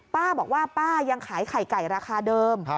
ป้าบอกว่าป้ายังขายไข่ไก่ราคาเดิม